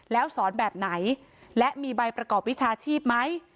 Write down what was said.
แล้วสอนแบบไหนและมีใบประกอบวิชาชีพไหม